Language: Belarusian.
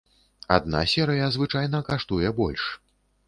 Адна серыя звычайна каштуе больш.